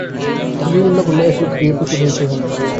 খলিলুল্লাহ বলে এক লোককে নিয়ে প্রচুর হৈচৈ হলো।